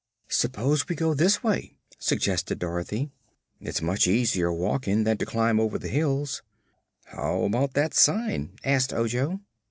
"S'pose we go this way," suggested Dorothy; "it's much easier walking than to climb over the hills." "How about that sign?" asked Ojo.